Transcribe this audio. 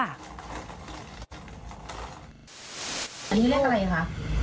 อันนี้เลขอะไรคะ